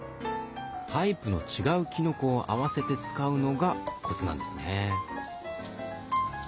タイプの違うきのこをあわせて使うのがコツなんですね。